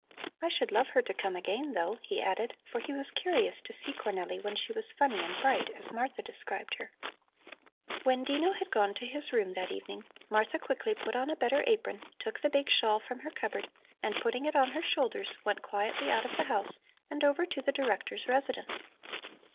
I should love her to come again, though," he added, for he was curious to see Cornelli when she was funny and bright, as Martha described her. When Dino had gone to his room that evening, Martha quickly put on a better apron, took the big shawl from her cupboard, and putting it on her shoulders, went quietly out of the house and over to the Director's residence.